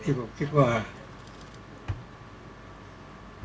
พิเศษภัณฑ์ของความวิชาเนี่ย